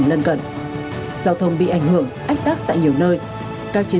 em cho em chẩn ra số máy